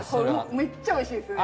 めっちゃ美味しいですね。